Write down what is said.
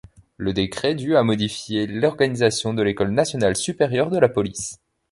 Le décret du a modifié l'organisation de l'École nationale supérieure de la Police.